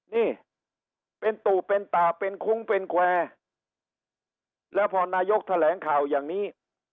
นี่เป็นตู่เป็นตาเป็นคุ้งเป็นแควร์แล้วพอนายกแถลงข่าวอย่างนี้